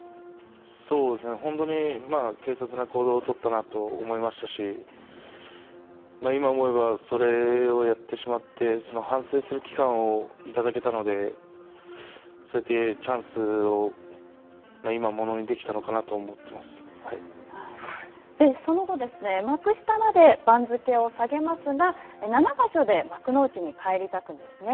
そうですね、本当に軽率な行動を取ったなと思いましたし、今思えば、それをやってしまって反省する期間をいただけたので、そうやってチャンスを今ものにできたのかなと思っていその後、幕下まで番付が下げますが、七場所で幕内に返り咲くんですね。